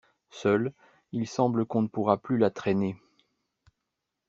Seul, il semble qu’on ne pourra plus la traîner.